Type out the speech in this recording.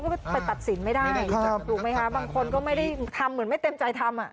ก็ไปตัดสินไม่ได้ถูกไหมคะบางคนก็ไม่ได้ทำเหมือนไม่เต็มใจทำอ่ะ